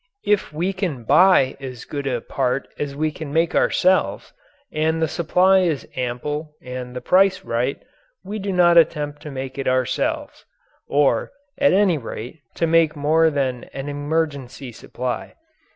If we can buy as good a part as we can make ourselves and the supply is ample and the price right, we do not attempt to make it ourselves or, at any rate, to make more than an emergency supply.